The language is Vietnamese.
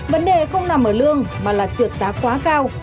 lương mở lương mà là trượt giá quá cao